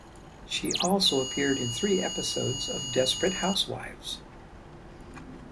She also appeared in three episodes of "Desperate Housewives".